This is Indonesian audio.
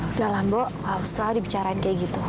udah lah mbak gak usah dibicarain kayak gitu